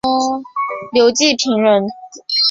刘季平人。